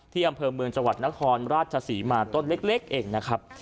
อำเภอเมืองจังหวัดนครราชศรีมาต้นเล็กเองนะครับ